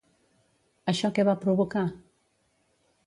Això què va provocar?